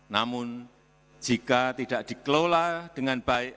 namun jika tidak dikelola dengan baik